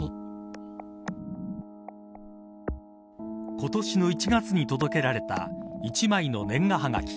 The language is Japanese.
今年の１月に届けられた１枚の年賀はがき